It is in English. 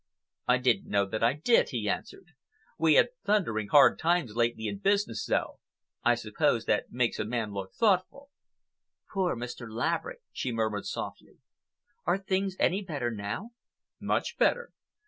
"I didn't know that I did," he answered. "We've had thundering hard times lately in business, though. I suppose that makes a man look thoughtful." "Poor Mr. Laverick," she murmured softly. "Are things any better now?" "Much better."